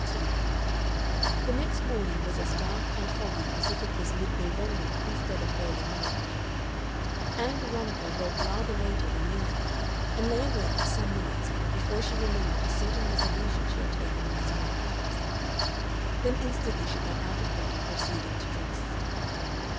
Part 2 The next morning was as dark and foggy as if it was mid November instead of early March. Ann Veronica woke rather later than usual, and lay awake for some minutes before she remembered a certain resolution she had taken in the small hours. Then instantly she got out of bed and proceeded to dress.